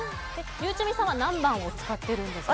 ゆうちゃみさんは何番を使ってるんですか？